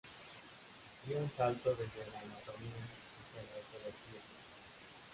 Dio un salto desde la anatomía hacia la ecología.